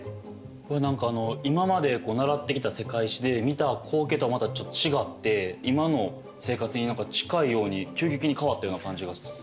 これ何かあの今まで習ってきた世界史で見た光景とはまたちょっと違って今の生活に何か近いように急激に変わったような感じが。